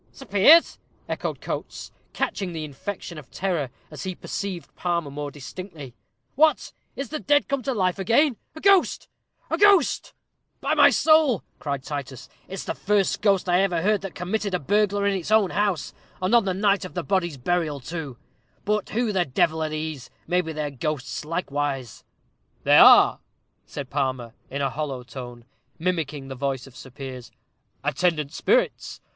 "Sir Piers!" echoed Coates, catching the infection of terror, as he perceived Palmer more distinctly. "What! is the dead come to life again? A ghost, a ghost!" "By my soul," cried Titus, "it's the first ghost I ever heard of that committed a burglary in its own house, and on the night of the body's burial, too. But who the devil are these? maybe they're ghosts likewise." "They are," said Palmer, in a hollow tone, mimicking the voice of Sir Piers, "attendant spirits.